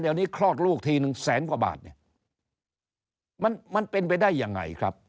เดี๋ยวนี้คลอดลูกทีนึงแสนขวบาทมันเป็นไปได้ยังไงครับ